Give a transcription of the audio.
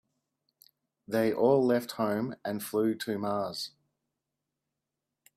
They all left home and flew to Mars.